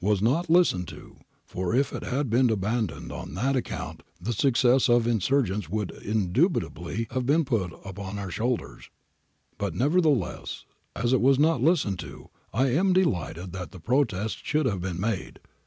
290, 311, 313] 'was not listened to, for if it had been abandoned on that account the success of the insurgents would indubitably have been put on our shoulders, but nevertheless, as it was not listened to, I am delighted that the protest should have been made.